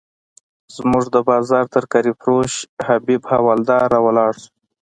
زموږ د بازار ترکاري فروش حبیب حوالدار راولاړ شو.